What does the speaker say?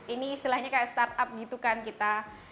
ini istilahnya kayak start up gitu kan kita